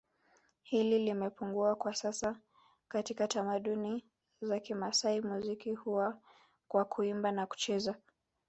hili limepungua kwa sasa katika tamaduni za Kimasai muziki huwa kwa Kuimba na kucheza